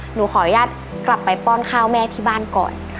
หนูขออนุญาตกลับไปป้อนข้าวแม่ที่บ้านก่อน